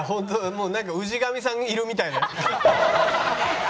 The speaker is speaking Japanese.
もうなんか氏神さんがいるみたいな。